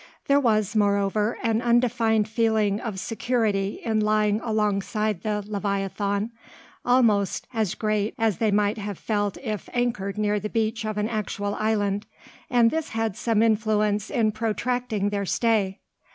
There was, moreover, an undefined feeling of security in lying alongside the leviathan, almost as great as they might have felt if anchored near the beach of an actual island, and this had some influence in protracting their stay.